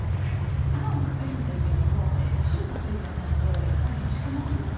あんをかけるんですけども塩が付いてないとやっぱりおいしくないんですね。